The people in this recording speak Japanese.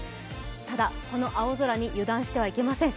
ただ、この青空に油断してはいけません。